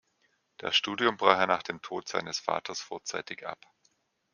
Das Studium brach er nach dem Tod seines Vaters vorzeitig ab.